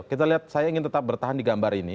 kita lihat saya ingin tetap bertahan di gambar ini